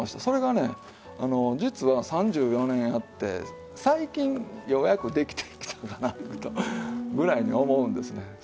それがね実は３４年やって最近ようやくできてきたかなぐらいに思うんですね。